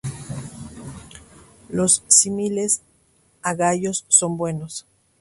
Los símiles a gallos son buenos.